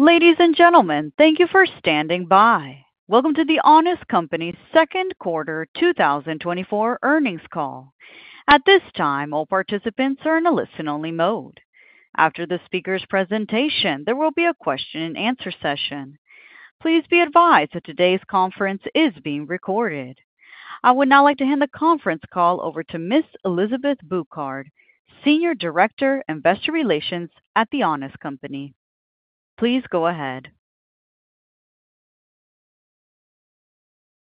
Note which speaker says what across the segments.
Speaker 1: Ladies and gentlemen, thank you for standing by. Welcome to The Honest Company's second quarter 2024 earnings call. At this time, all participants are in a listen-only mode. After the speaker's presentation, there will be a question and answer session. Please be advised that today's conference is being recorded. I would now like to hand the conference call over to Ms. Elizabeth Bouquard, Senior Director, Investor Relations at The Honest Company. Please go ahead.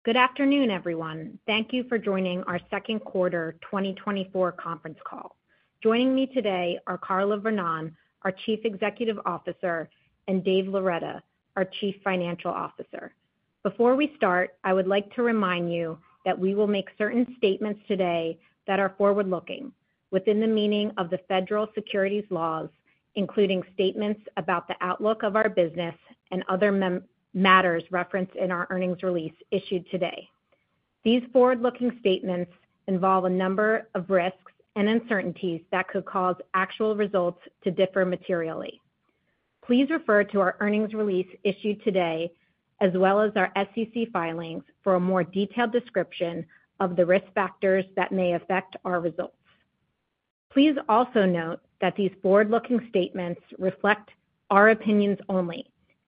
Speaker 2: Good afternoon, everyone. Thank you for joining our second quarter, 2024 conference call. Joining me today are Carla Vernón, our Chief Executive Officer, and Dave Loretta, our Chief Financial Officer. Before we start, I would like to remind you that we will make certain statements today that are forward-looking within the meaning of the federal securities laws, including statements about the outlook of our business and other matters referenced in our earnings release issued today. These forward-looking statements involve a number of risks and uncertainties that could cause actual results to differ materially. Please refer to our earnings release issued today, as well as our SEC filings, for a more detailed description of the risk factors that may affect our results. Please also note that these Forward-looking statements reflect our opinions only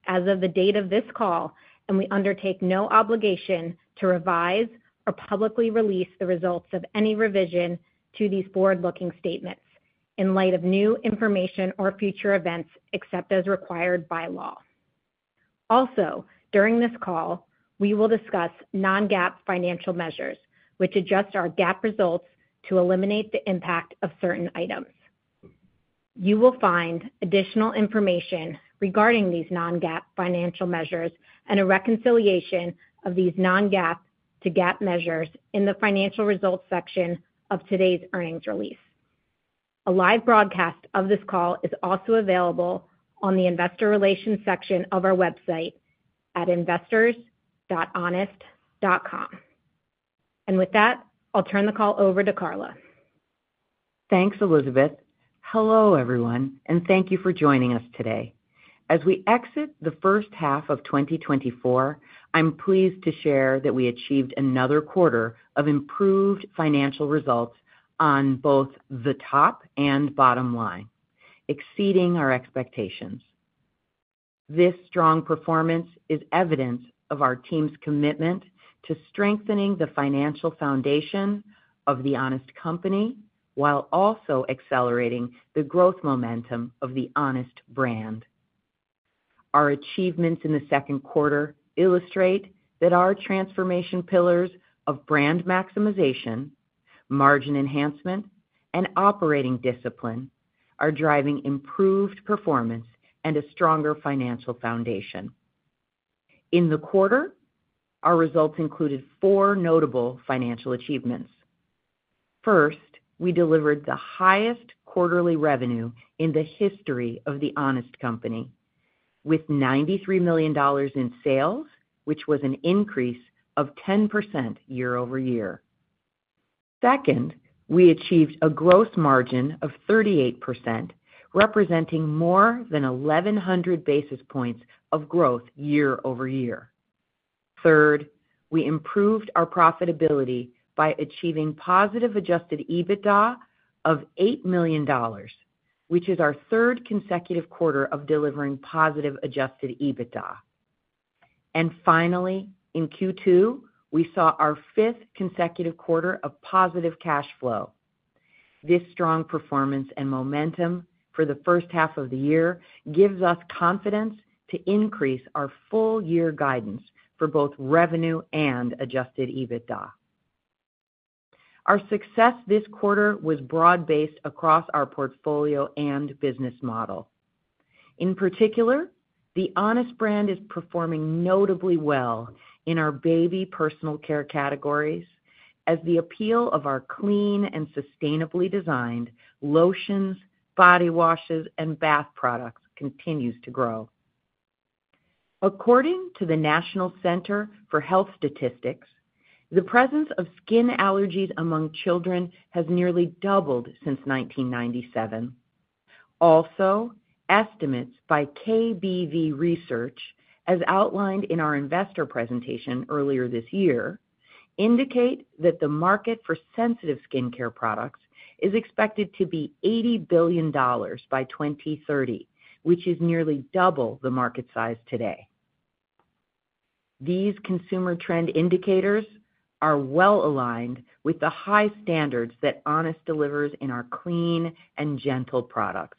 Speaker 2: as of the date of this call, and we undertake no obligation to revise or publicly release the results of any revision to these Forward-looking statements in light of new information or future events, except as required by law. Also, during this call, we will discuss Non-GAAP financial measures, which adjust our GAAP results to eliminate the impact of certain items. You will find additional information regarding these Non-GAAP financial measures and a reconciliation of these Non-GAAP to GAAP measures in the financial results section of today's earnings release. A live broadcast of this call is also available on the investor relations section of our website at investors.honest.com. With that, I'll turn the call over to Carla.
Speaker 3: Thanks, Elizabeth. Hello, everyone, and thank you for joining us today. As we exit the first half of 2024, I'm pleased to share that we achieved another quarter of improved financial results on both the top and bottom line, exceeding our expectations. This strong performance is evidence of our team's commitment to strengthening the financial foundation of The Honest Company while also accelerating the growth momentum of the Honest brand. Our achievements in the second quarter illustrate that our transformation pillars of brand maximization, margin enhancement, and operating discipline are driving improved performance and a stronger financial foundation. In the quarter, our results included four notable financial achievements. First, we delivered the highest quarterly revenue in the history of The Honest Company, with $93 million in sales, which was an increase of 10% year-over-year. Second, we achieved a gross margin of 38%, representing more than 1,100 basis points of growth year-over-year. Third, we improved our profitability by achieving positive Adjusted EBITDA of $8 million, which is our third consecutive quarter of delivering positive Adjusted EBITDA. And finally, in Q2, we saw our fifth consecutive quarter of positive cash flow. This strong performance and momentum for the first half of the year gives us confidence to increase our full year guidance for both revenue and Adjusted EBITDA. Our success this quarter was broad-based across our portfolio and business model. In particular, the Honest brand is performing notably well in our baby personal care categories as the appeal of our clean and sustainably designed lotions, body washes, and bath products continues to grow. According to the National Center for Health Statistics, the presence of skin allergies among children has nearly doubled since 1997. Also, estimates by KBV Research, as outlined in our investor presentation earlier this year, indicate that the market for sensitive skincare products is expected to be $80 billion by 2030, which is nearly double the market size today. These consumer trend indicators are well aligned with the high standards that Honest delivers in our clean and gentle products.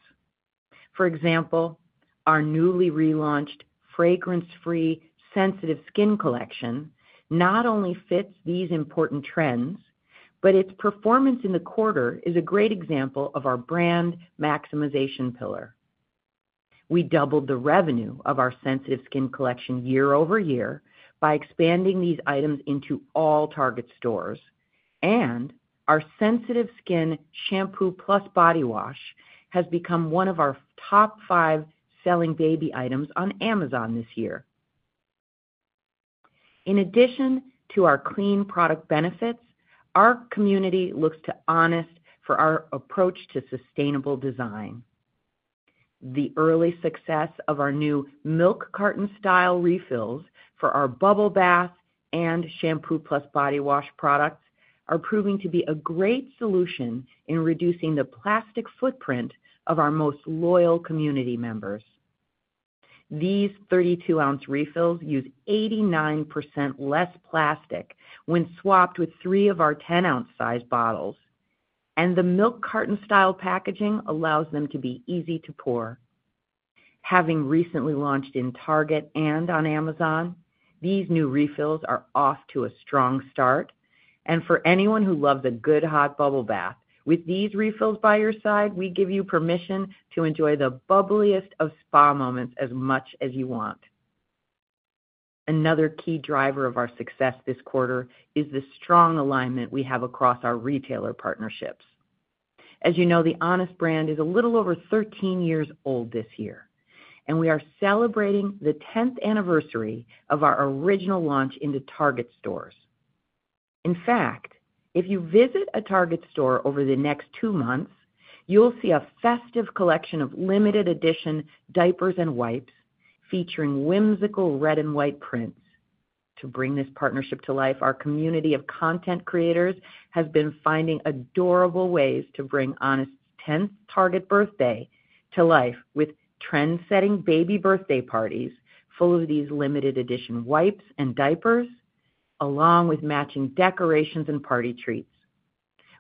Speaker 3: For example, our newly relaunched fragrance-free Sensitive Skin Collection not only fits these important trends, but its performance in the quarter is a great example of our brand maximization pillar. We doubled the revenue of our Sensitive Skin Collection year-over-year by expanding these items into all Target stores, and our sensitive skin shampoo plus body wash has become one of our top five selling baby items on Amazon this year. In addition to our clean product benefits, our community looks to Honest for our approach to sustainable design. The early success of our new milk carton style refills for our bubble bath and shampoo plus body wash products are proving to be a great solution in reducing the plastic footprint of our most loyal community members. These 32-ounce refills use 89% less plastic when swapped with three of our 10-ounce size bottles, and the milk carton style packaging allows them to be easy to pour. Having recently launched in Target and on Amazon, these new refills are off to a strong start, and for anyone who loves a good hot bubble bath, with these refills by your side, we give you permission to enjoy the bubbliest of spa moments as much as you want. Another key driver of our success this quarter is the strong alignment we have across our retailer partnerships. As you know, the Honest brand is a little over 13 years old this year, and we are celebrating the 10th anniversary of our original launch into Target stores. In fact, if you visit a Target store over the next three months, you'll see a festive collection of limited edition diapers and wipes featuring whimsical red and white prints. To bring this partnership to life, our community of content creators have been finding adorable ways to bring Honest's 10th Target birthday to life, with trendsetting baby birthday parties full of these limited edition wipes and diapers, along with matching decorations and party treats.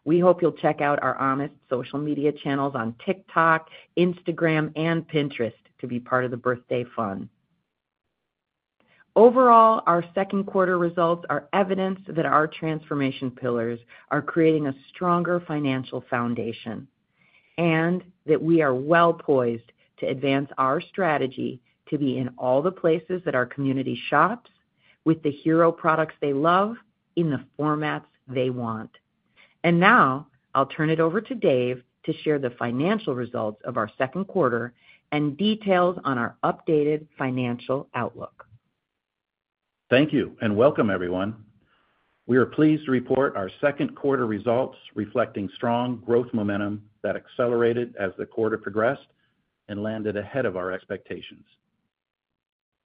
Speaker 3: We hope you'll check out our Honest social media channels on TikTok, Instagram and Pinterest to be part of the birthday fun. Overall, our second quarter results are evidence that our transformation pillars are creating a stronger financial foundation, and that we are well-poised to advance our strategy to be in all the places that our community shops, with the hero products they love, in the formats they want. Now, I'll turn it over to Dave to share the financial results of our second quarter and details on our updated financial outlook.
Speaker 4: Thank you, and welcome, everyone. We are pleased to report our second quarter results, reflecting strong growth momentum that accelerated as the quarter progressed and landed ahead of our expectations.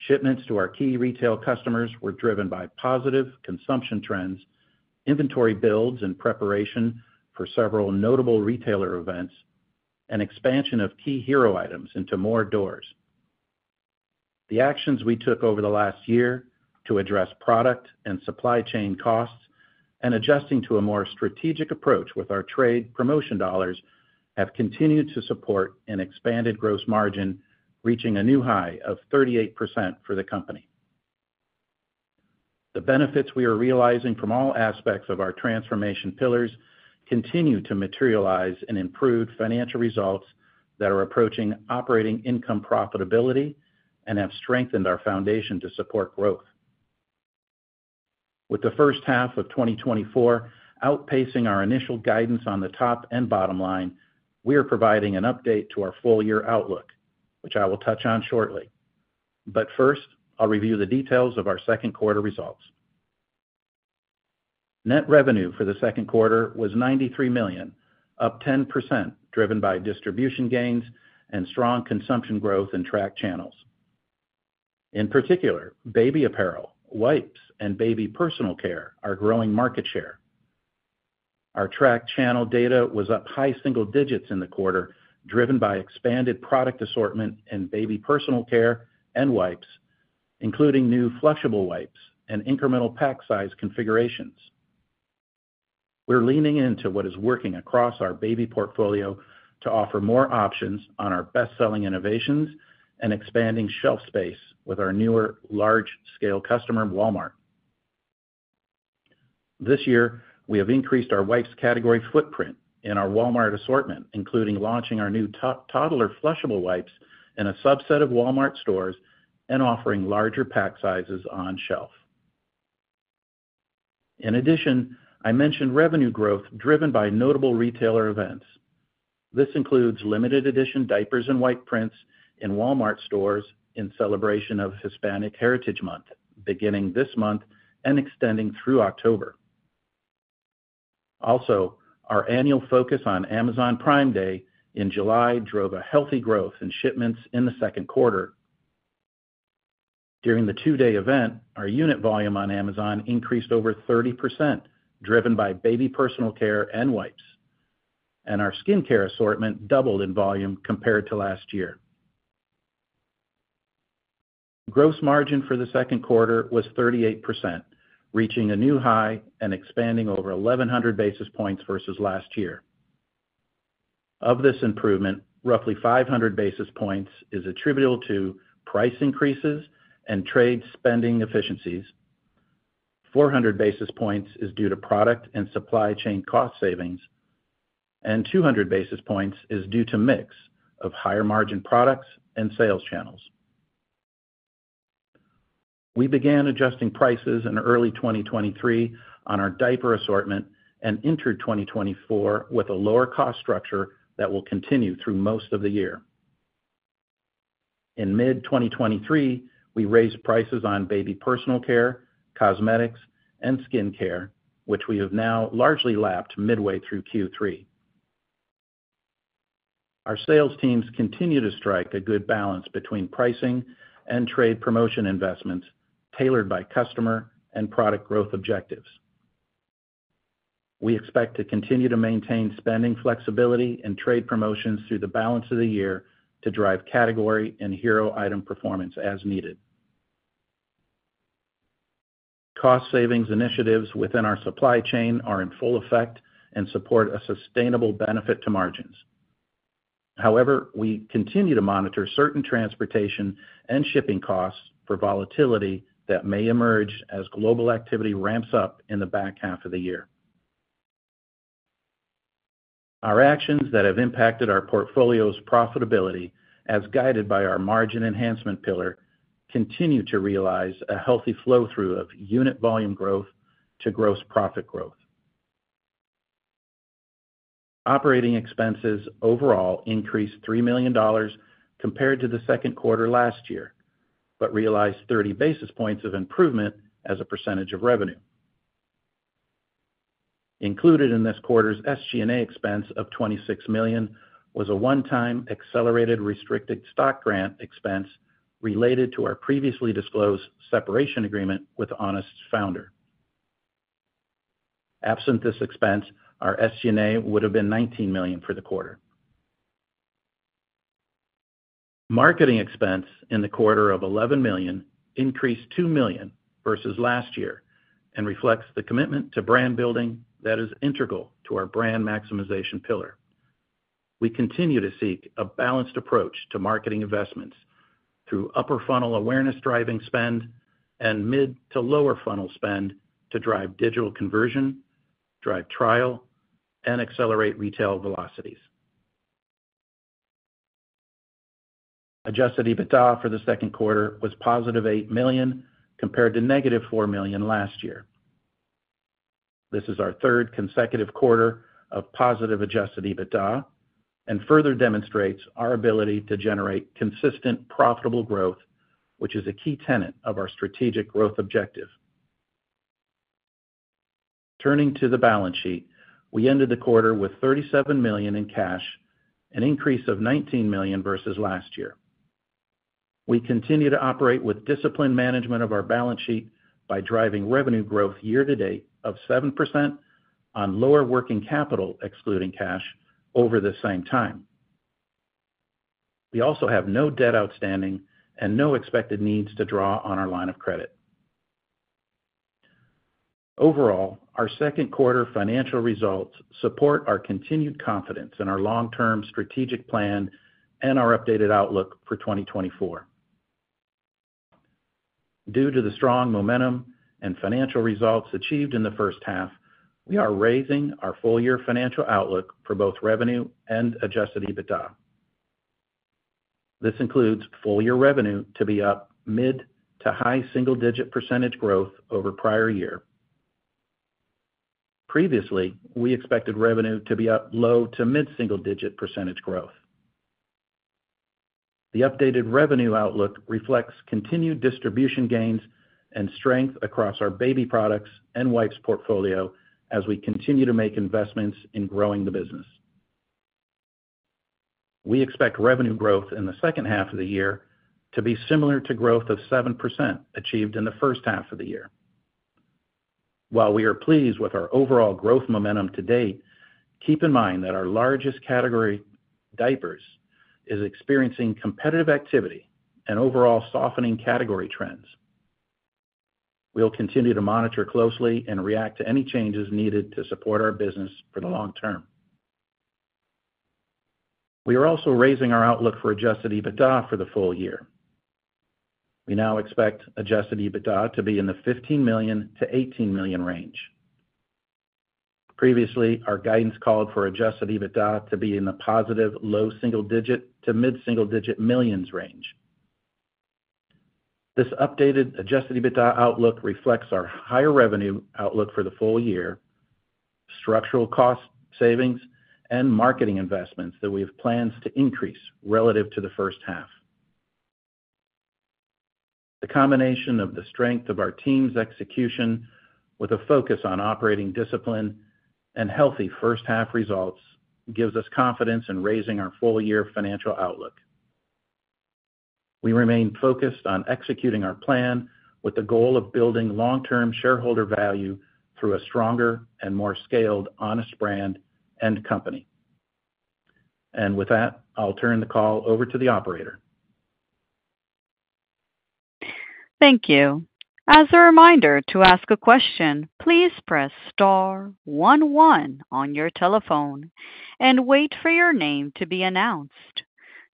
Speaker 4: Shipments to our key retail customers were driven by positive consumption trends, inventory builds in preparation for several notable retailer events, and expansion of key hero items into more doors. The actions we took over the last year to address product and supply chain costs and adjusting to a more strategic approach with our trade promotion dollars, have continued to support an expanded gross margin, reaching a new high of 38% for the company. The benefits we are realizing from all aspects of our transformation pillars continue to materialize in improved financial results that are approaching operating income profitability and have strengthened our foundation to support growth. With the first half of 2024 outpacing our initial guidance on the top and bottom line, we are providing an update to our full year outlook, which I will touch on shortly. But first, I'll review the details of our second quarter results. Net revenue for the second quarter was $93 million, up 10%, driven by distribution gains and strong consumption growth in Tracked channels. In particular, baby apparel, wipes, and baby personal care are growing market share. Our Tracked channel data was up high single digits in the quarter, driven by expanded product assortment in baby personal care and wipes, including new flushable wipes and incremental pack size configurations. We're leaning into what is working across our baby portfolio to offer more options on our best-selling innovations and expanding shelf space with our newer large-scale customer, Walmart. This year, we have increased our wipes category footprint in our Walmart assortment, including launching our new-to-toddler flushable wipes in a subset of Walmart stores and offering larger pack sizes on shelf. In addition, I mentioned revenue growth driven by notable retailer events. This includes limited edition diapers and wipe prints in Walmart stores in celebration of Hispanic Heritage Month, beginning this month and extending through October. Also, our annual focus on Amazon Prime Day in July drove a healthy growth in shipments in the second quarter. During the two-day event, our unit volume on Amazon increased over 30%, driven by baby personal care and wipes, and our skincare assortment doubled in volume compared to last year. Gross margin for the second quarter was 38%, reaching a new high and expanding over 1,100 basis points versus last year. Of this improvement, roughly 500 basis points is attributable to price increases and trade spending efficiencies. 400 basis points is due to product and supply chain cost savings, and 200 basis points is due to mix of higher margin products and sales channels. We began adjusting prices in early 2023 on our diaper assortment and entered 2024 with a lower cost structure that will continue through most of the year. In mid-2023, we raised prices on baby personal care, cosmetics, and skincare, which we have now largely lapped midway through Q3. Our sales teams continue to strike a good balance between pricing and trade promotion investments, tailored by customer and product growth objectives. We expect to continue to maintain spending flexibility and trade promotions through the balance of the year to drive category and hero item performance as needed. Cost savings initiatives within our supply chain are in full effect and support a sustainable benefit to margins. However, we continue to monitor certain transportation and shipping costs for volatility that may emerge as global activity ramps up in the back half of the year. Our actions that have impacted our portfolio's profitability, as guided by our margin enhancement pillar, continue to realize a healthy flow-through of unit volume growth to gross profit growth. Operating expenses overall increased $3 million compared to the second quarter last year, but realized 30 basis points of improvement as a percentage of revenue. Included in this quarter's SG&A expense of $26 million was a one-time accelerated restricted stock grant expense related to our previously disclosed separation agreement with Honest's founder. Absent this expense, our SG&A would have been $19 million for the quarter. Marketing expense in the quarter of $11 million increased $2 million versus last year and reflects the commitment to brand building that is integral to our brand maximization pillar. We continue to seek a balanced approach to marketing investments through upper funnel awareness-driving spend and mid to lower funnel spend to drive digital conversion, drive trial, and accelerate retail velocities. Adjusted EBITDA for the second quarter was positive $8 million, compared to negative $4 million last year. This is our third consecutive quarter of positive adjusted EBITDA and further demonstrates our ability to generate consistent, profitable growth, which is a key tenet of our strategic growth objective. Turning to the balance sheet, we ended the quarter with $37 million in cash, an increase of $19 million versus last year. We continue to operate with disciplined management of our balance sheet by driving revenue growth year-to-date of 7% on lower working capital, excluding cash, over the same time. We also have no debt outstanding and no expected needs to draw on our line of credit. Overall, our second quarter financial results support our continued confidence in our long-term strategic plan and our updated outlook for 2024. Due to the strong momentum and financial results achieved in the first half, we are raising our full-year financial outlook for both revenue and Adjusted EBITDA. This includes full-year revenue to be up mid- to high single-digit % growth over prior year. Previously, we expected revenue to be up low- to mid single-digit % growth. The updated revenue outlook reflects continued distribution gains and strength across our baby products and wipes portfolio as we continue to make investments in growing the business. We expect revenue growth in the second half of the year to be similar to growth of 7%, achieved in the first half of the year. While we are pleased with our overall growth momentum to date, keep in mind that our largest category, diapers, is experiencing competitive activity and overall softening category trends. We'll continue to monitor closely and react to any changes needed to support our business for the long term. We are also raising our outlook for Adjusted EBITDA for the full year. We now expect Adjusted EBITDA to be in the $15 million-$18 million range. Previously, our guidance called for Adjusted EBITDA to be in the positive low single-digit to mid-single-digit millions range. This updated Adjusted EBITDA outlook reflects our higher revenue outlook for the full year, structural cost savings, and marketing investments that we have plans to increase relative to the first half. The combination of the strength of our team's execution, with a focus on operating discipline and healthy first half results, gives us confidence in raising our full-year financial outlook. We remain focused on executing our plan with the goal of building long-term shareholder value through a stronger and more scaled, Honest brand and company. With that, I'll turn the call over to the operator.
Speaker 1: Thank you. As a reminder to ask a question, please press star one one on your telephone and wait for your name to be announced.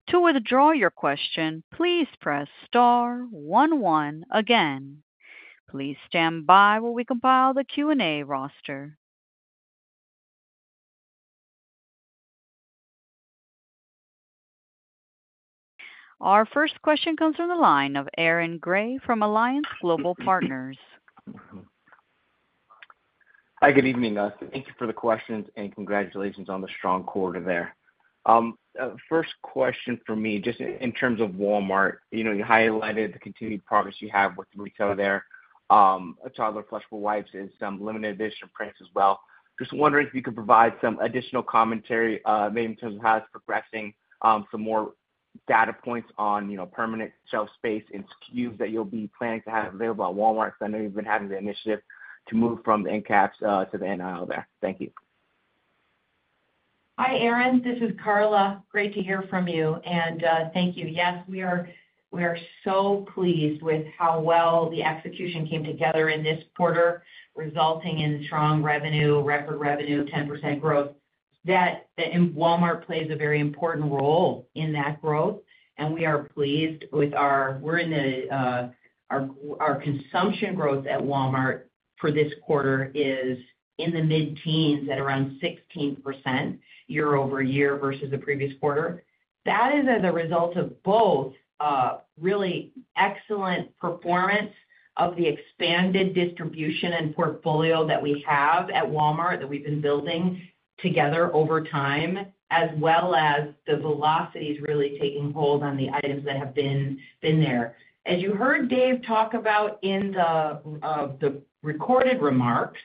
Speaker 1: To withdraw your question, please press star one one again. Please stand by while we compile the Q&A roster. Our first question comes from the line of Aaron Gray from Alliance Global Partners.
Speaker 5: Hi, good evening, guys. Thank you for the questions, and congratulations on the strong quarter there. First question for me, just in terms of Walmart, you know, you highlighted the continued progress you have with the retailer there, a toddler flushable wipes and some limited edition prints as well. Just wondering if you could provide some additional commentary, maybe in terms of how it's progressing, some more data points on, you know, permanent shelf space and SKUs that you'll be planning to have available at Walmart, because I know you've been having the initiative to move from the end caps to the aisle there. Thank you.
Speaker 3: Hi, Aaron, this is Carla. Great to hear from you, and thank you. Yes, we are so pleased with how well the execution came together in this quarter, resulting in strong revenue, record revenue, 10% growth, and Walmart plays a very important role in that growth, and we are pleased with our consumption growth at Walmart for this quarter, is in the mid-teens at around 16% year-over-year versus the previous quarter. That is as a result of both really excellent performance of the expanded distribution and portfolio that we have at Walmart, that we've been building together over time, as well as the velocities really taking hold on the items that have been there. As you heard Dave talk about in the, the recorded remarks,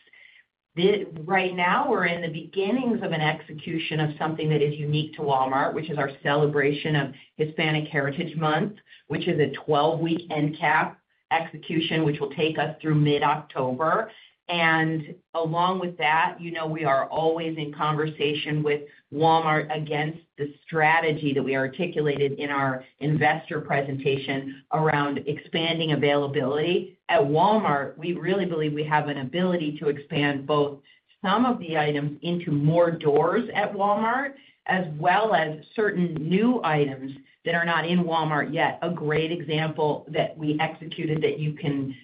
Speaker 3: the, right now, we're in the beginnings of an execution of something that is unique to Walmart, which is our celebration of Hispanic Heritage Month, which is a 12-week end cap execution, which will take us through mid-October. And along with that, you know, we are always in conversation with Walmart against the strategy that we articulated in our investor presentation around expanding availability. At Walmart, we really believe we have an ability to expand both some of the items into more doors at Walmart, as well as certain new items that are not in Walmart yet. A great example that we executed that you can,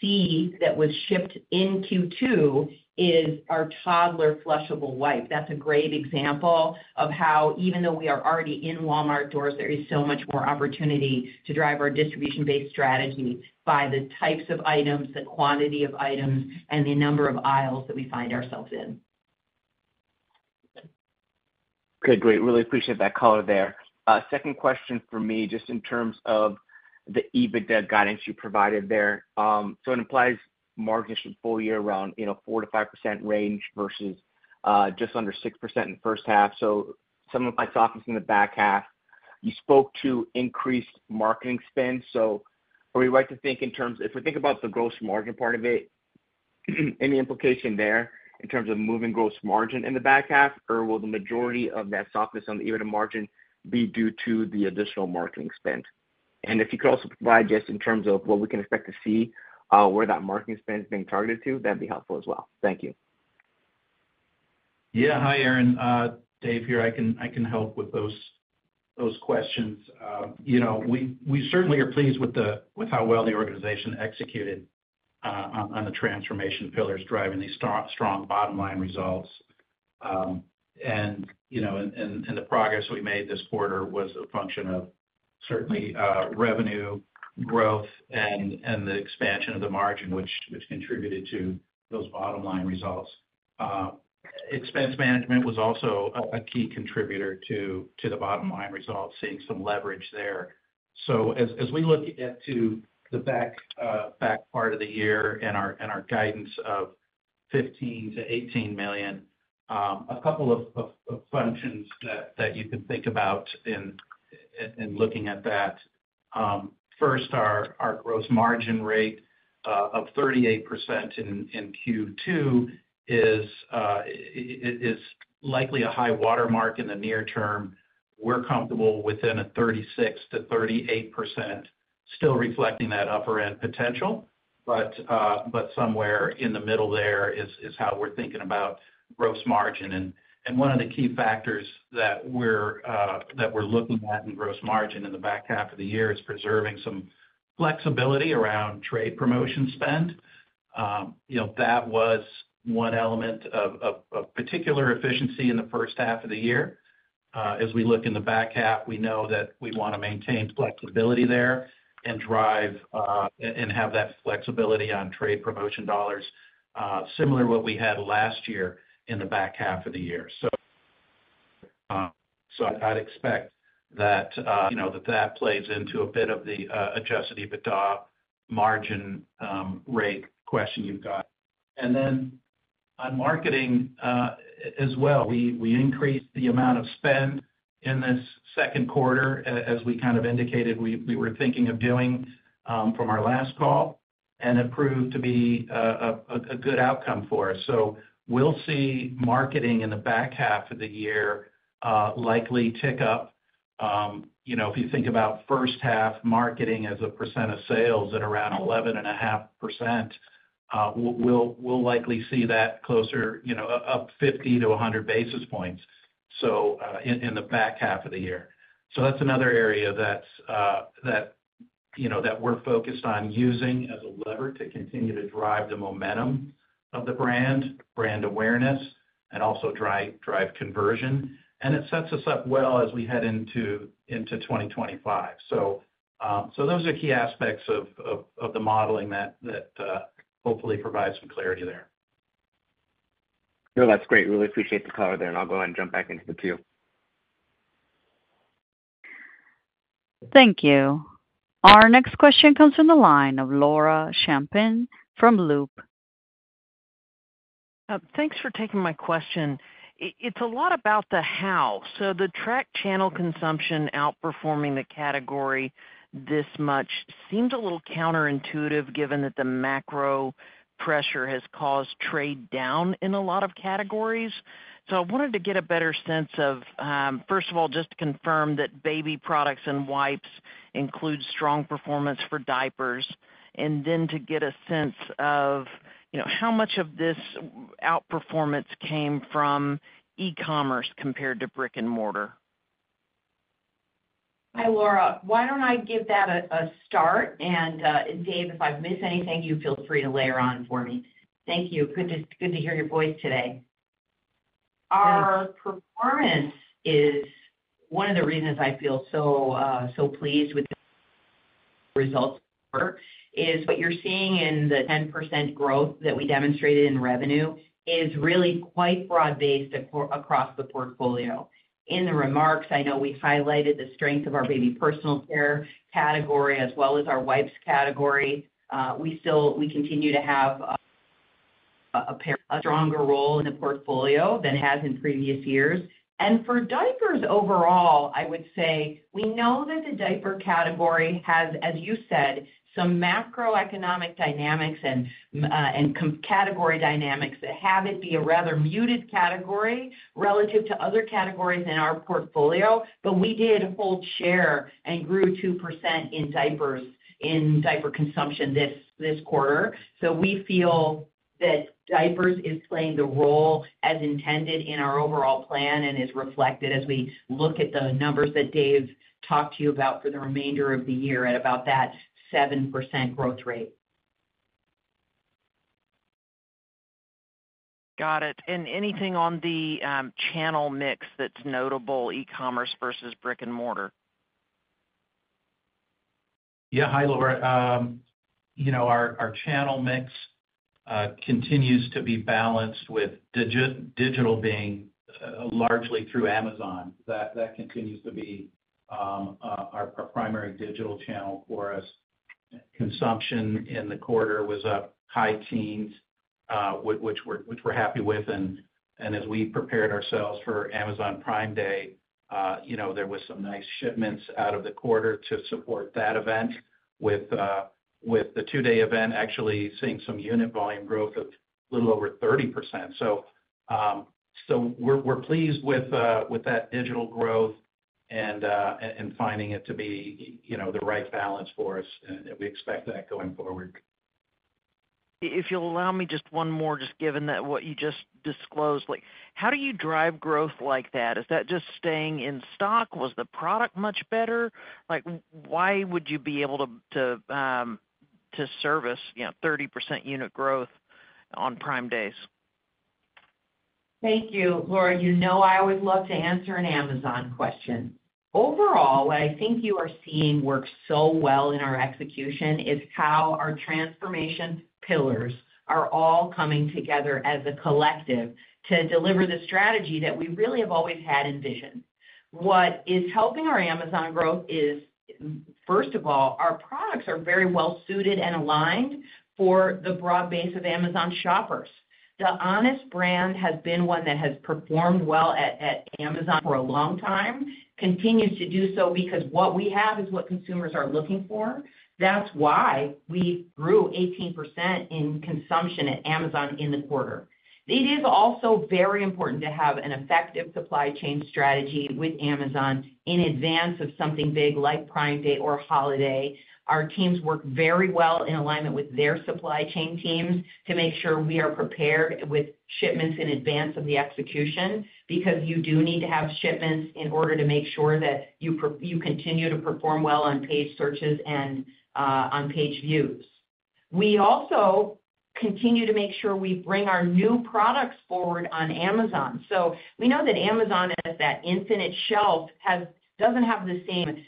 Speaker 3: see, that was shipped in Q2, is our toddler flushable wipe. That's a great example of how, even though we are already in Walmart doors, there is so much more opportunity to drive our distribution-based strategy by the types of items, the quantity of items, and the number of aisles that we find ourselves in.
Speaker 5: Okay, great. Really appreciate that color there. Second question for me, just in terms of the EBITDA guidance you provided there. So it implies margin full year around, you know, 4%-5% range versus just under 6% in the first half. So some of my thoughts in the back half, you spoke to increased marketing spend. So are we right to think in terms—if we think about the gross margin part of it, any implication there in terms of moving gross margin in the back half? Or will the majority of that softness on the EBITDA margin be due to the additional marketing spend? And if you could also provide, just in terms of what we can expect to see, where that marketing spend is being targeted to, that'd be helpful as well. Thank you.
Speaker 4: Yeah. Hi, Aaron, Dave here. I can help with those questions. You know, we certainly are pleased with how well the organization executed on the transformation pillars driving these strong bottom line results. And you know, the progress we made this quarter was a function of certainly revenue growth and the expansion of the margin, which contributed to those bottom line results. Expense management was also a key contributor to the bottom line results, seeing some leverage there. So as we look ahead to the back part of the year and our guidance of $15 million-$18 million, a couple of functions that you can think about in looking at that. First, our gross margin rate of 38% in Q2 is likely a high water mark in the near term. We're comfortable within a 36%-38%, still reflecting that upper end potential, but somewhere in the middle there is how we're thinking about gross margin. And one of the key factors that we're looking at in gross margin in the back half of the year is preserving some flexibility around trade promotion spend. You know, that was one element of particular efficiency in the first half of the year. As we look in the back half, we know that we want to maintain flexibility there and drive and have that flexibility on trade promotion dollars, similar to what we had last year in the back half of the year. So, I'd expect that, you know, that plays into a bit of the Adjusted EBITDA margin rate question you've got. And then on marketing, as well, we increased the amount of spend in this second quarter, as we kind of indicated we were thinking of doing, from our last call, and it proved to be a good outcome for us. So we'll see marketing in the back half of the year, likely tick up. You know, if you think about first half marketing as a percent of sales at around 11.5%, we'll likely see that closer, you know, up 50 to 100 basis points, so in the back half of the year. So that's another area that's, you know, that we're focused on using as a lever to continue to drive the momentum of the brand, brand awareness... and also drive conversion, and it sets us up well as we head into 2025. So, so those are key aspects of the modeling that hopefully provide some clarity there.
Speaker 5: No, that's great. Really appreciate the color there, and I'll go ahead and jump back into the queue.
Speaker 1: Thank you. Our next question comes from the line of Laura Champine from Loop.
Speaker 6: Thanks for taking my question. It's a lot about the how. So the tracked channel consumption outperforming the category this much seems a little counterintuitive, given that the macro pressure has caused trade down in a lot of categories. So I wanted to get a better sense of... first of all, just to confirm that baby products and wipes include strong performance for diapers, and then to get a sense of, you know, how much of this outperformance came from e-commerce compared to brick-and-mortar?
Speaker 3: Hi, Laura. Why don't I give that a start, and Dave, if I've missed anything, you feel free to layer on for me. Thank you. Good to hear your voice today. Our performance is one of the reasons I feel so pleased with the results is what you're seeing in the 10% growth that we demonstrated in revenue is really quite broad-based across the portfolio. In the remarks, I know we highlighted the strength of our baby personal care category as well as our wipes category. We continue to have a stronger role in the portfolio than it has in previous years. For diapers overall, I would say we know that the diaper category has, as you said, some macroeconomic dynamics and category dynamics that have it be a rather muted category relative to other categories in our portfolio, but we did hold share and grew 2% in diapers, in diaper consumption this quarter. We feel that diapers is playing the role as intended in our overall plan and is reflected as we look at the numbers that Dave talked to you about for the remainder of the year at about that 7% growth rate.
Speaker 6: Got it. And anything on the channel mix that's notable, e-commerce versus brick-and-mortar?
Speaker 4: Yeah. Hi, Laura. You know, our channel mix continues to be balanced, with digital being largely through Amazon. That continues to be our primary digital channel for us. Consumption in the quarter was up high teens, which we're happy with, and as we prepared ourselves for Amazon Prime Day, you know, there was some nice shipments out of the quarter to support that event, with the two-day event actually seeing some unit volume growth of a little over 30%. So, we're pleased with that digital growth and finding it to be, you know, the right balance for us, and we expect that going forward.
Speaker 6: If you'll allow me, just one more, just given that what you just disclosed, like, how do you drive growth like that? Is that just staying in stock? Was the product much better? Like, why would you be able to, to, service, you know, 30% unit growth on Prime Days?
Speaker 3: Thank you, Laura. You know I always love to answer an Amazon question. Overall, what I think you are seeing work so well in our execution is how our transformation pillars are all coming together as a collective to deliver the strategy that we really have always had envisioned. What is helping our Amazon growth is, first of all, our products are very well suited and aligned for the broad base of Amazon shoppers. The Honest brand has been one that has performed well at Amazon for a long time, continues to do so because what we have is what consumers are looking for. That's why we grew 18% in consumption at Amazon in the quarter. It is also very important to have an effective supply chain strategy with Amazon in advance of something big, like Prime Day or holiday. Our teams work very well in alignment with their supply chain teams to make sure we are prepared with shipments in advance of the execution, because you do need to have shipments in order to make sure that you you continue to perform well on page searches and on page views. We also continue to make sure we bring our new products forward on Amazon. So we know that Amazon, as that infinite shelf, doesn't have the same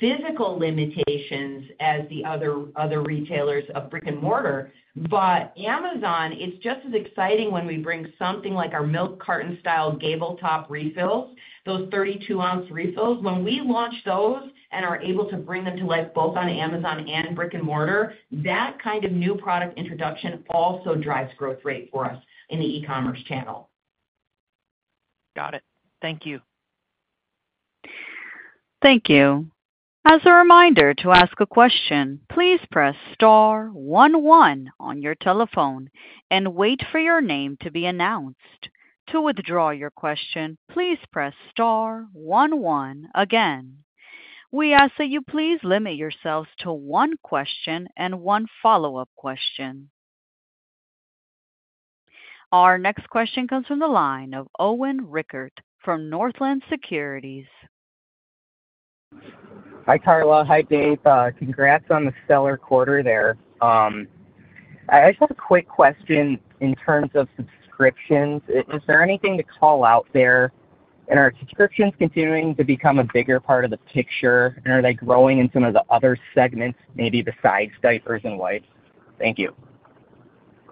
Speaker 3: physical limitations as the other retailers of brick-and-mortar. But Amazon, it's just as exciting when we bring something like our milk carton-style gable top refills, those 32-ounce refills. When we launch those and are able to bring them to life, both on Amazon and brick-and-mortar, that kind of new product introduction also drives growth rate for us in the e-commerce channel.
Speaker 6: Got it. Thank you.
Speaker 1: Thank you. As a reminder, to ask a question, please press star one one on your telephone and wait for your name to be announced. To withdraw your question, please press star one one again. We ask that you please limit yourselves to one question and one follow-up question. Our next question comes from the line of Owen Rickert from Northland Securities.
Speaker 7: Hi, Carla. Hi, Dave. Congrats on the stellar quarter there. I just had a quick question in terms of subscriptions. Is there anything to call out there? And are subscriptions continuing to become a bigger part of the picture, and are they growing in some of the other segments, maybe besides diapers and wipes? Thank you.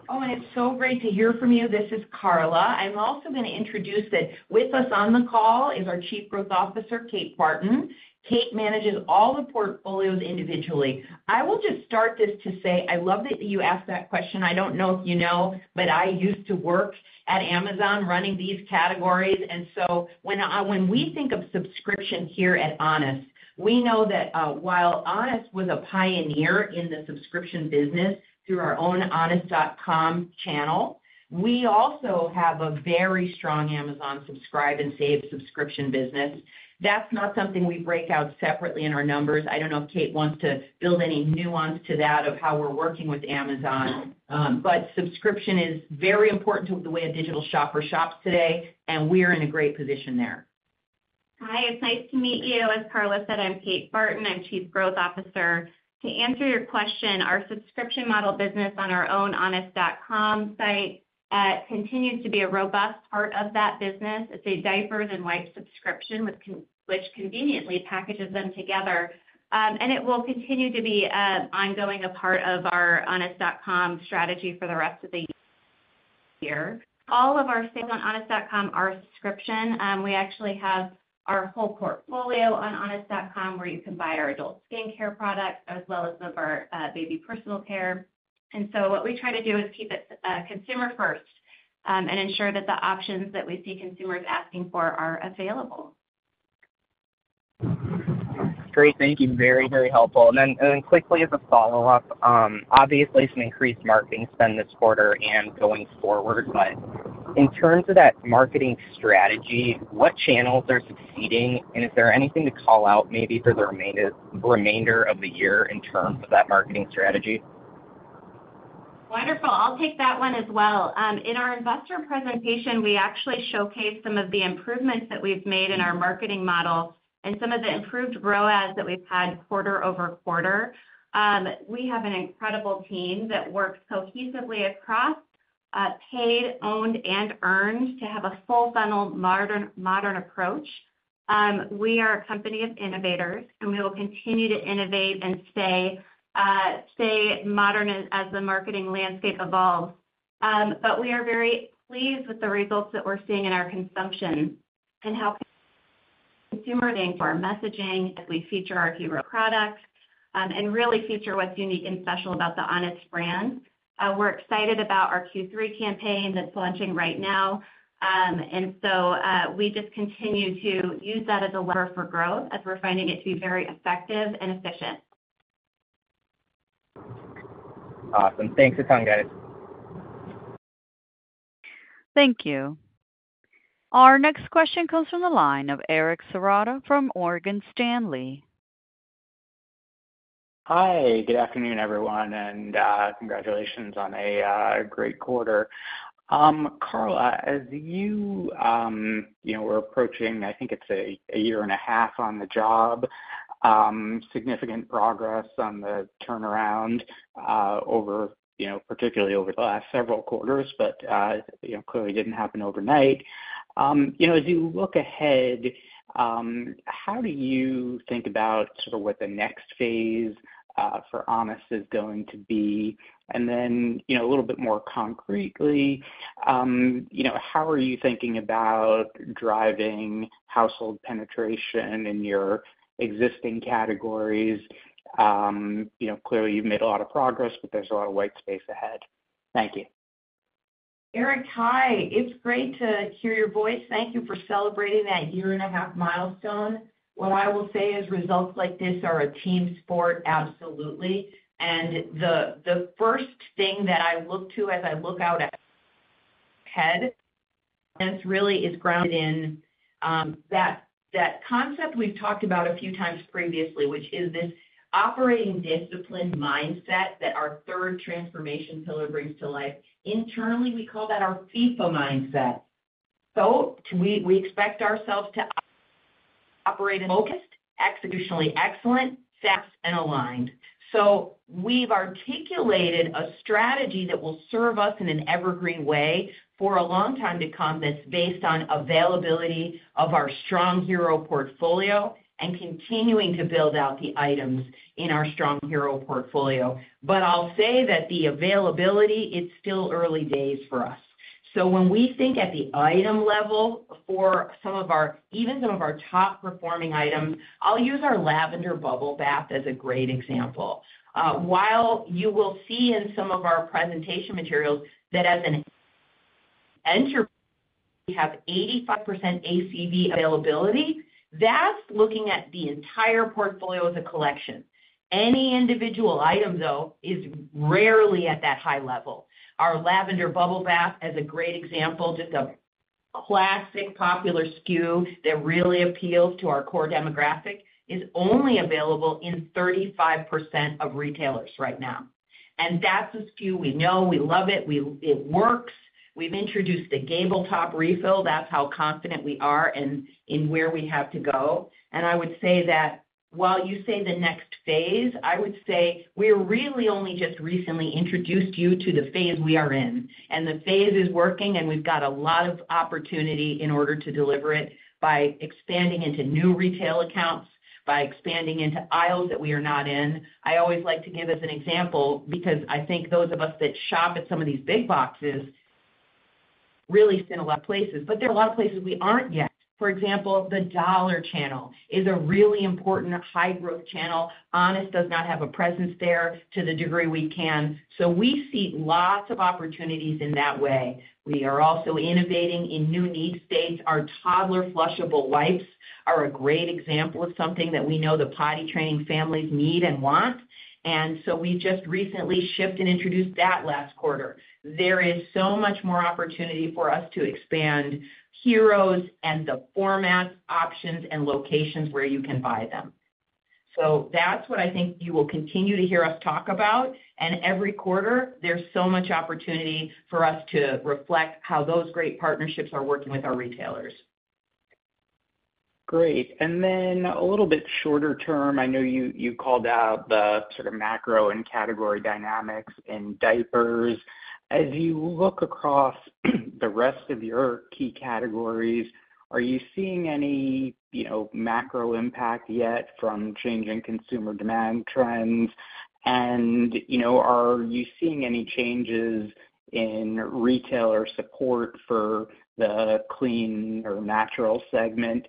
Speaker 3: Oh, and it's so great to hear from you. This is Carla. I'm also going to introduce that with us on the call is our Chief Growth Officer, Kate Barton. Kate manages all the portfolios individually. I will just start this to say, I love that you asked that question. I don't know if you know, but I used to work at Amazon running these categories, and so when, when we think of subscription here at Honest, we know that, while Honest was a pioneer in the subscription business through our own honest.com channel, we also have a very strong Amazon Subscribe and Save subscription business. That's not something we break out separately in our numbers. I don't know if Kate wants to build any nuance to that of how we're working with Amazon, but subscription is very important to the way a digital shopper shops today, and we're in a great position there.
Speaker 8: Hi, it's nice to meet you. As Carla said, I'm Kate Barton, I'm Chief Growth Officer. To answer your question, our subscription model business on our own Honest.com site continues to be a robust part of that business. It's a diapers and wipes subscription, which conveniently packages them together. And it will continue to be ongoing a part of our Honest.com strategy for the rest of the year. All of our sales on Honest.com are subscription. We actually have our whole portfolio on Honest.com, where you can buy our adult skincare products as well as some of our baby personal care. And so what we try to do is keep it consumer first, and ensure that the options that we see consumers asking for are available.
Speaker 7: Great. Thank you. Very, very helpful. And then, and then quickly as a follow-up, obviously, some increased marketing spend this quarter and going forward, but in terms of that marketing strategy, what channels are succeeding? And is there anything to call out maybe for the remainder of the year in terms of that marketing strategy?
Speaker 8: Wonderful. I'll take that one as well. In our investor presentation, we actually showcased some of the improvements that we've made in our marketing model and some of the improved ROAS that we've had quarter-over-quarter. We have an incredible team that works cohesively across paid, owned, and earned to have a full funnel, modern, modern approach. We are a company of innovators, and we will continue to innovate and stay modern as the marketing landscape evolves. But we are very pleased with the results that we're seeing in our consumption and how consumers think of our messaging as we feature our hero products, and really feature what's unique and special about the Honest brand. We're excited about our Q3 campaign that's launching right now. We just continue to use that as a lever for growth as we're finding it to be very effective and efficient.
Speaker 7: Awesome. Thanks a ton, guys.
Speaker 1: Thank you. Our next question comes from the line of Eric Serotta from Morgan Stanley.
Speaker 9: Hi, good afternoon, everyone, and, congratulations on a, great quarter. Carla, as you, you know, we're approaching, I think it's a, a year and a half on the job, significant progress on the turnaround, over, you know, particularly over the last several quarters, but, you know, clearly didn't happen overnight. You know, as you look ahead, how do you think about sort of what the next phase, for Honest is going to be? And then, you know, a little bit more concretely, you know, how are you thinking about driving household penetration in your existing categories? You know, clearly you've made a lot of progress, but there's a lot of white space ahead. Thank you.
Speaker 3: Eric, hi. It's great to hear your voice. Thank you for celebrating that 1.5-year milestone. What I will say is results like this are a team sport, absolutely. The first thing that I look to as I look out ahead, this really is grounded in that concept we've talked about a few times previously, which is this operationally disciplined mindset that our third transformation pillar brings to life. Internally, we call that our FEFA mindset. So we expect ourselves to operate focused, executionally excellent, fast, and aligned. So we've articulated a strategy that will serve us in an evergreen way for a long time to come, that's based on availability of our strong hero portfolio and continuing to build out the items in our strong hero portfolio. But I'll say that the availability, it's still early days for us. So when we think at the item level for some of our—even some of our top-performing items, I'll use our lavender bubble bath as a great example. While you will see in some of our presentation materials that as an aggregate, we have 85% ACV availability, that's looking at the entire portfolio as a collection. Any individual item, though, is rarely at that high level. Our lavender bubble bath, as a great example, just a classic, popular SKU that really appeals to our core demographic, is only available in 35% of retailers right now. And that's a SKU we know, we love it. It works. We've introduced the gable top refill. That's how confident we are in where we have to go. I would say that while you say the next phase, I would say we're really only just recently introduced you to the phase we are in, and the phase is working, and we've got a lot of opportunity in order to deliver it by expanding into new retail accounts, by expanding into aisles that we are not in. I always like to give as an example, because I think those of us that shop at some of these big boxes really sit in a lot of places, but there are a lot of places we aren't yet. For example, the dollar channel is a really important high-growth channel. Honest does not have a presence there to the degree we can. So we see lots of opportunities in that way. We are also innovating in new need states. Our toddler flushable wipes are a great example of something that we know the potty training families need and want, and so we just recently shipped and introduced that last quarter. There is so much more opportunity for us to expand heroes and the format, options, and locations where you can buy them. So that's what I think you will continue to hear us talk about. And every quarter, there's so much opportunity for us to reflect how those great partnerships are working with our retailers.
Speaker 9: Great. And then a little bit shorter term, I know you called out the sort of macro and category dynamics in diapers. As you look across the rest of your key categories, are you seeing any, you know, macro impact yet from changing consumer demand trends? And, you know, are you seeing any changes in retailer support for the clean or natural segment,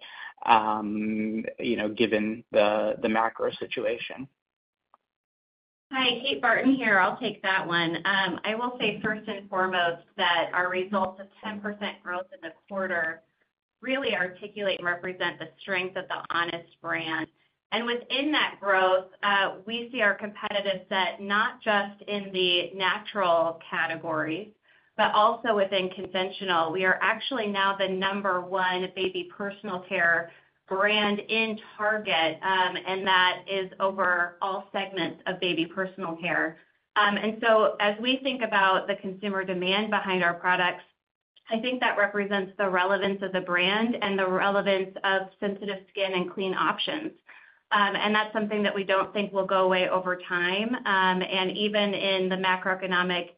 Speaker 9: given the macro situation?
Speaker 8: Hi, Kate Barton here. I'll take that one. I will say first and foremost that our results of 10% growth in the quarter really articulate and represent the strength of the Honest brand. Within that growth, we see our competitive set, not just in the natural category, but also within conventional. We are actually now the number one baby personal care brand in Target, and that is over all segments of baby personal care. So as we think about the consumer demand behind our products, I think that represents the relevance of the brand and the relevance of sensitive skin and clean options. That's something that we don't think will go away over time, and even in the macroeconomic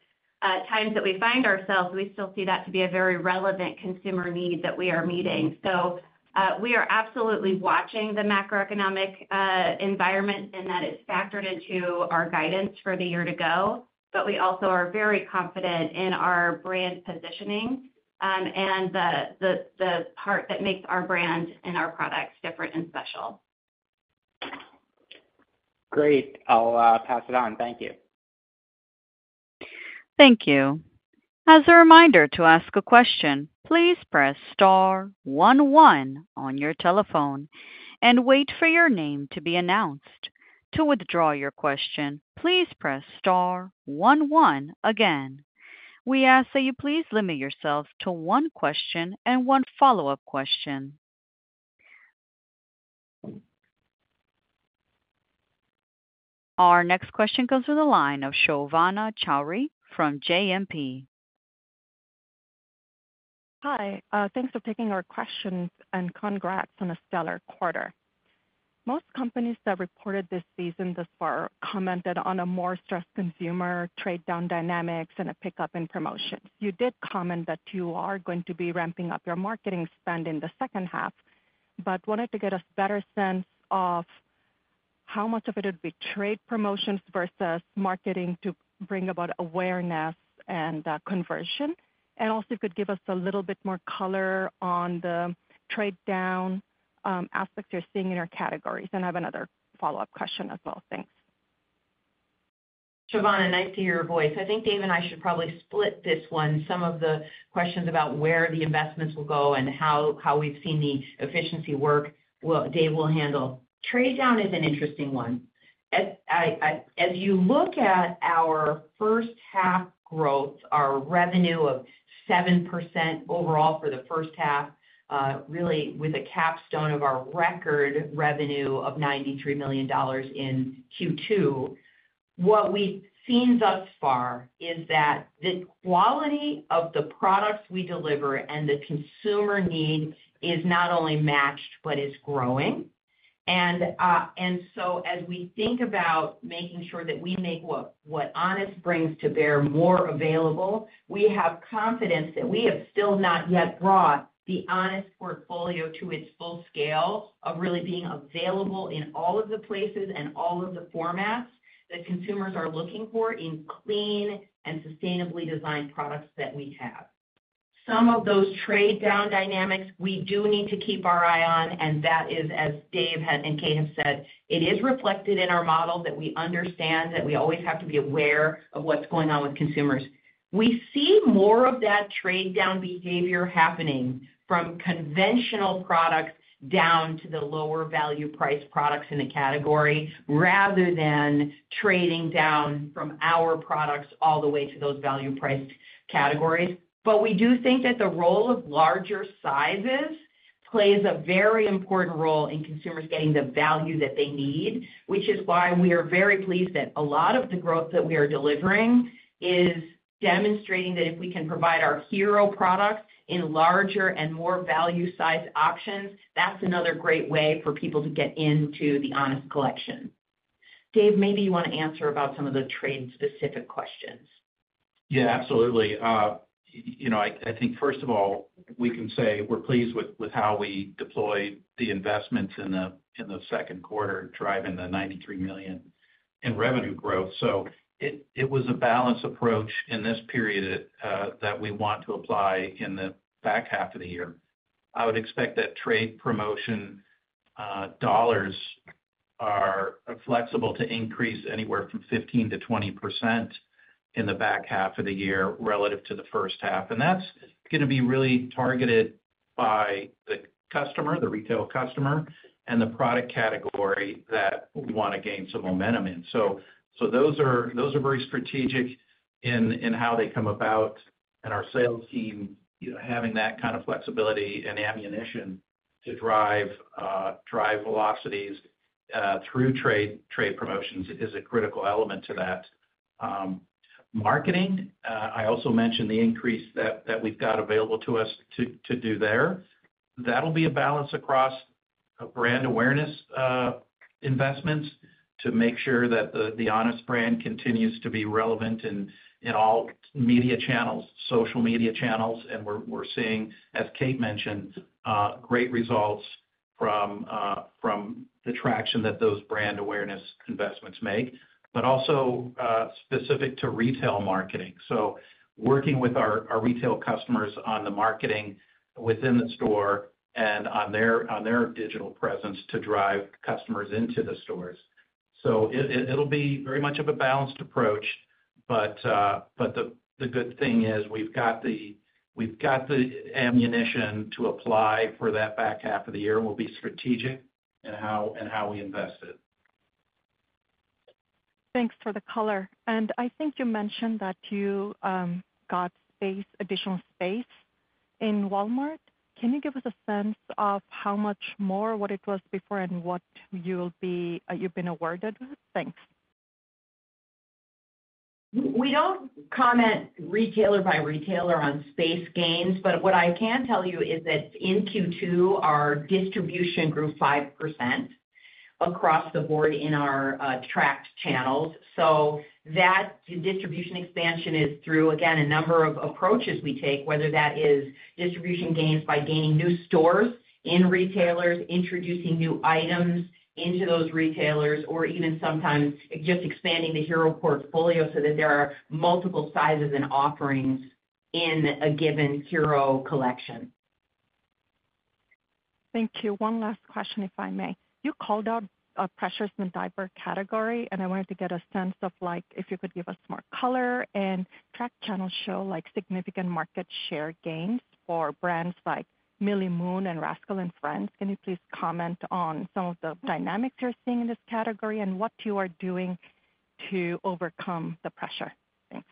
Speaker 8: times that we find ourselves, we still see that to be a very relevant consumer need that we are meeting. So, we are absolutely watching the macroeconomic environment, and that is factored into our guidance for the year to go. But we also are very confident in our brand positioning, and the part that makes our brand and our products different and special.
Speaker 9: Great. I'll pass it on. Thank you.
Speaker 1: Thank you. As a reminder to ask a question, please press star one one on your telephone and wait for your name to be announced. To withdraw your question, please press star one one again. We ask that you please limit yourselves to one question and one follow-up question. Our next question comes from the line of Savanah Chowdhury from JMP.
Speaker 10: Hi, thanks for taking our questions, and congrats on a stellar quarter. Most companies that reported this season thus far commented on a more stressed consumer, trade down dynamics, and a pickup in promotions. You did comment that you are going to be ramping up your marketing spend in the second half, but wanted to get a better sense of how much of it would be trade promotions versus marketing to bring about awareness and, conversion. Also, if you could give us a little bit more color on the trade down aspects you're seeing in your categories. I have another follow-up question as well. Thanks.
Speaker 3: Savanah, nice to hear your voice. I think Dave and I should probably split this one. Some of the questions about where the investments will go and how, how we've seen the efficiency work. Well, Dave will handle. Trade down is an interesting one. As you look at our first half growth, our revenue of 7% overall for the first half, really with a capstone of our record revenue of $93 million in Q2, what we've seen thus far is that the quality of the products we deliver and the consumer need is not only matched, but is growing. And so as we think about making sure that we make what Honest brings to bear more available, we have confidence that we have still not yet brought the Honest portfolio to its full scale of really being available in all of the places and all of the formats that consumers are looking for in clean and sustainably designed products that we have. Some of those trade down dynamics we do need to keep our eye on, and that is, as Dave and Kate have said, it is reflected in our model that we understand that we always have to be aware of what's going on with consumers. We see more of that trade down behavior happening from conventional products down to the lower value price products in a category, rather than trading down from our products all the way to those value priced categories. But we do think that the role of larger sizes plays a very important role in consumers getting the value that they need, which is why we are very pleased that a lot of the growth that we are delivering is demonstrating that if we can provide our hero products in larger and more value-sized options, that's another great way for people to get into the Honest collection. Dave, maybe you want to answer about some of the trade-specific questions.
Speaker 4: Yeah, absolutely. You know, I think, first of all, we can say we're pleased with how we deployed the investments in the second quarter, driving the $93 million in revenue growth. So it was a balanced approach in this period that we want to apply in the back half of the year. I would expect that trade promotion dollars are flexible to increase anywhere from 15%-20% in the back half of the year relative to the first half. And that's gonna be really targeted by the customer, the retail customer, and the product category that we wanna gain some momentum in. So those are very strategic in how they come about and our sales team, you know, having that kind of flexibility and ammunition to drive drive velocities through trade promotions is a critical element to that. Marketing, I also mentioned the increase that we've got available to us to do there. That'll be a balance across brand awareness investments to make sure that the Honest brand continues to be relevant in all media channels, social media channels. And we're seeing, as Kate mentioned, great results from the traction that those brand awareness investments make, but also specific to retail marketing. So working with our retail customers on the marketing within the store and on their digital presence to drive customers into the stores. So it'll be very much of a balanced approach, but the good thing is, we've got the ammunition to apply for that back half of the year, and we'll be strategic in how we invest it.
Speaker 10: Thanks for the color. I think you mentioned that you got space, additional space in Walmart. Can you give us a sense of how much more, what it was before and what you'll be. You've been awarded with? Thanks.
Speaker 3: We don't comment retailer by retailer on space gains, but what I can tell you is that in Q2, our distribution grew 5% across the board in our tracked channels. So that distribution expansion is through, again, a number of approaches we take, whether that is distribution gains by gaining new stores in retailers, introducing new items into those retailers, or even sometimes just expanding the hero portfolio so that there are multiple sizes and offerings in a given hero collection.
Speaker 10: Thank you. One last question, if I may. You called out pressures in the diaper category, and I wanted to get a sense of, like, if you could give us more color and tracked channels show, like, significant market share gains for brands like Millie Moon and Rascal and Friends. Can you please comment on some of the dynamics you're seeing in this category and what you are doing to overcome the pressure? Thanks.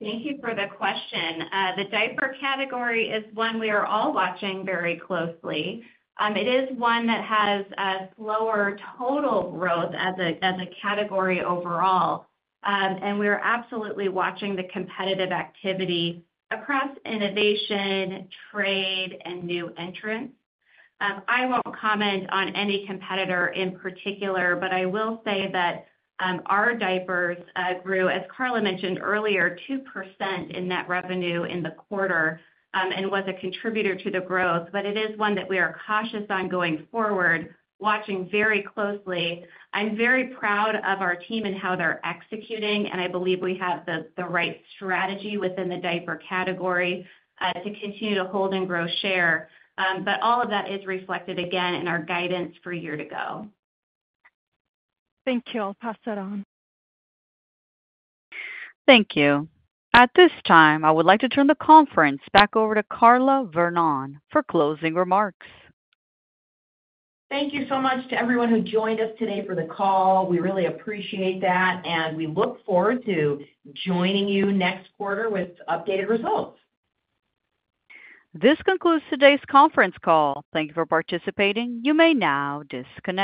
Speaker 8: Thank you for the question. The diaper category is one we are all watching very closely. It is one that has a slower total growth as a category overall. And we are absolutely watching the competitive activity across innovation, trade, and new entrants. I won't comment on any competitor in particular, but I will say that, our diapers grew, as Carla mentioned earlier, 2% in net revenue in the quarter, and was a contributor to the growth, but it is one that we are cautious on going forward, watching very closely. I'm very proud of our team and how they're executing, and I believe we have the right strategy within the diaper category to continue to hold and grow share. But all of that is reflected again in our guidance for year to go.
Speaker 10: Thank you. I'll pass it on.
Speaker 1: Thank you. At this time, I would like to turn the conference back over to Carla Vernón for closing remarks.
Speaker 3: Thank you so much to everyone who joined us today for the call. We really appreciate that, and we look forward to joining you next quarter with updated results.
Speaker 1: This concludes today's conference call. Thank you for participating. You may now disconnect.